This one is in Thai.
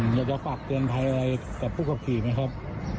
อยากจะฝากเตือนภัยอะไรกับผู้ขับขี่ไหมครับ